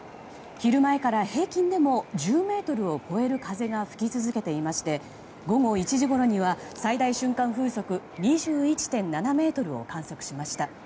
昼前から、平均でも１０メートルを超える風が吹き続けていまして午後１時ごろには最大瞬間風速２１．７メートルを観測しました。